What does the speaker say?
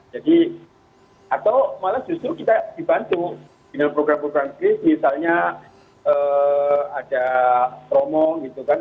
jadi atau malah justru kita dibantu dengan program program kri misalnya ada promo gitu kan